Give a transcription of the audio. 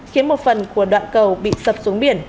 khiến một phần của đoạn cầu